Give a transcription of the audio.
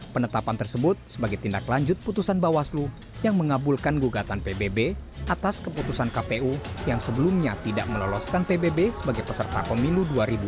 penetapan tersebut sebagai tindak lanjut putusan bawaslu yang mengabulkan gugatan pbb atas keputusan kpu yang sebelumnya tidak meloloskan pbb sebagai peserta pemilu dua ribu dua puluh